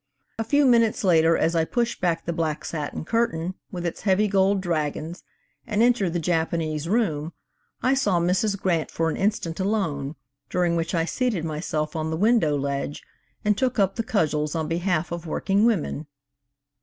A few minutes later, as I pushed back the black satin curtain, with its heavy gold dragons, and entered the Japanese room, I saw Mrs. Grant for an instant alone, during which I seated myself on the window ledge and took up the cudgels on behalf of working women.